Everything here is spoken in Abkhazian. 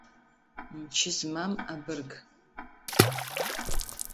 Мчы змам абырг.